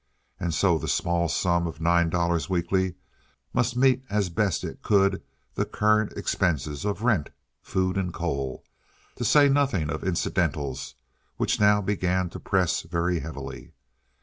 And so the small sum of nine dollars weekly must meet as best it could the current expenses of rent, food, and coal, to say nothing of incidentals, which now began to press very heavily.